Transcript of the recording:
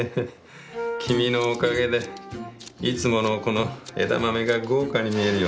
君のおかげでいつものこの枝豆が豪華に見えるよ。